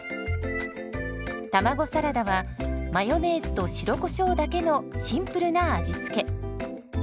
卵サラダはマヨネーズと白コショウだけのシンプルな味付け。